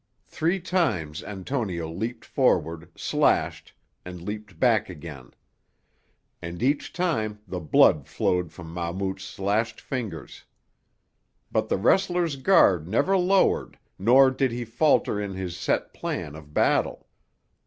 Three times Antonio leaped forward, slashed, and leaped back again; and each time the blood flowed from Mahmout's slashed fingers. But the wrestler's guard never lowered nor did he falter in his set plan of battle.